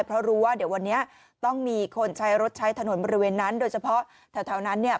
เพราะรู้ว่าเดี๋ยววันนี้ต้องมีคนใช้รถใช้ถนนบริเวณนั้นโดยเฉพาะแถวนั้นเนี่ย